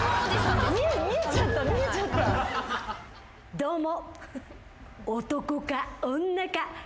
どうも。